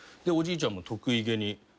おじいちゃんも得意げに。